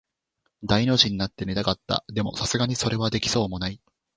大の字になって寝たかった。でも、流石にそれはできそうもない。